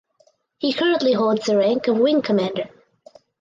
He currently holds the rank of Wing commander.